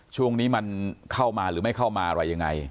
ช่วงนี้มันเข้ามาหรือไม่เข้ามาอะไรยังไง